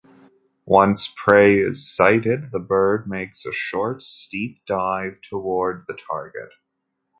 Once prey is sighted, the bird makes a short, steep dive toward the target.